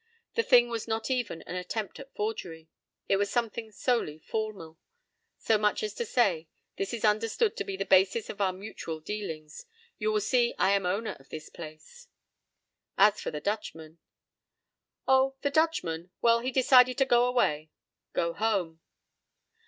The thing was not even an attempt at forgery. It was something solely formal—as much as to say: "This is understood to be the basis of our mutual dealings. You will see I am owner of this place." As for the Dutchman: "Oh, the Dutchman? Well, he decided to go away. Go home."